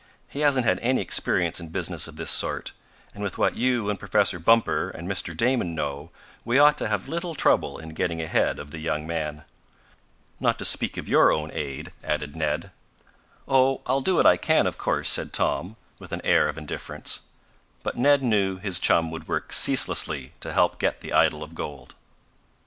"He hasn't had any experience in business of this sort, and with what you and Professor Bumper and Mr. Damon know we ought to have little trouble in getting ahead of the young man." "Not to speak of your own aid," added Ned. "Oh, I'll do what I can, of course," said Tom, with an air of indifference. But Ned knew his chum would work ceaselessly to help get the idol of gold.